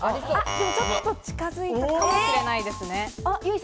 ちょっと近づいたかもしれないですね。